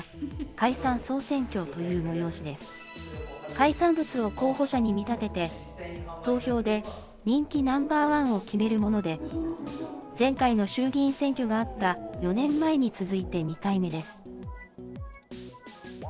海産物を候補者に見立てて、投票で人気ナンバー１を決めるもので、前回の衆議院選挙があった４年前に続いて２回目です。